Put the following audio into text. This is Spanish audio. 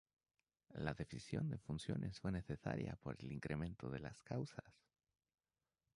La división de funciones fue necesaria por el incremento de las causas.